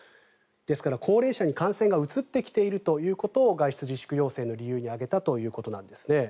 ですから高齢者に感染が移ってきているということを外出自粛要請の理由に挙げたということです。